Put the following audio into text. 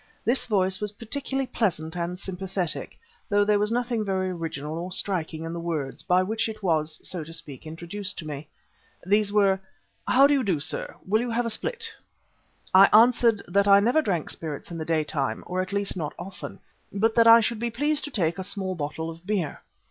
This voice was particularly pleasant and sympathetic, though there was nothing very original or striking in the words by which it was, so to speak, introduced to me. These were: "How do you do, sir. Will you have a split?" I answered that I never drank spirits in the daytime, or at least not often, but that I should be pleased to take a small bottle of beer.